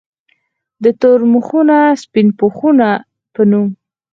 د “ تور مخونه سپين پوښونه ” پۀ نوم